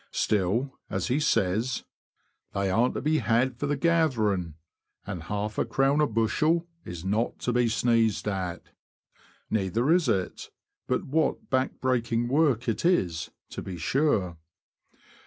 Still, as he says, " they are to be had for the gathering, and half a crown a bushel is not to be sneezed at." Neither is it ; but what back breaking work it is, to be sure